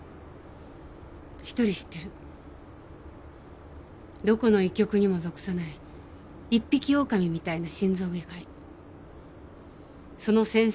一人知ってるどこの医局にも属さない一匹狼みたいな心臓外科医その先生